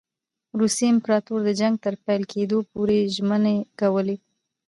روسي امپراطوري د جنګ تر پیل کېدلو پوري ژمنې کولې.